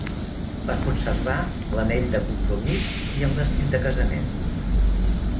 Va conservar l'anell de compromís i el vestit de casament.